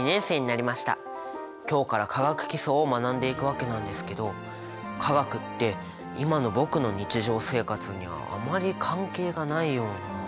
今日から化学基礎を学んでいくわけなんですけど化学って今の僕の日常生活にはあまり関係がないような。